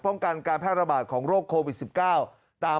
ป้องกันการแพร่ระบาดของโรคโควิด๑๙ตาม